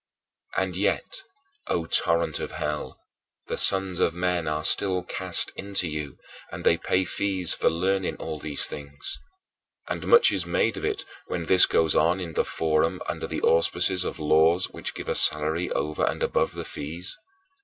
26. And yet, O torrent of hell, the sons of men are still cast into you, and they pay fees for learning all these things. And much is made of it when this goes on in the forum under the auspices of laws which give a salary over and above the fees.